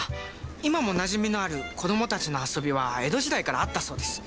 今もなじみのある子どもたちの遊びは江戸時代からあったそうです。